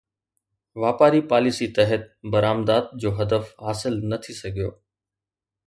واپاري پاليسي تحت برآمدات جو هدف حاصل نه ٿي سگهيو